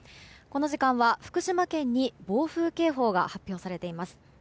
この時間は福島県に暴風警報が発表されています。